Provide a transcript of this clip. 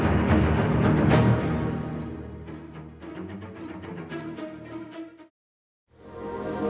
bapak dan nisra berada di dalam kota malang